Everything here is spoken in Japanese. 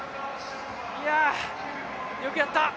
いや、よくやった！